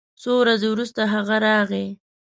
څو ورځې وروسته هغه راغی